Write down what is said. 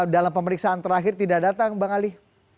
dalam pemeriksaan terakhir tidak datang bang ali